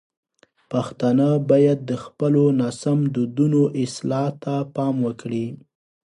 پښتانه باید د خپلو ناسم دودونو اصلاح ته پام وکړي.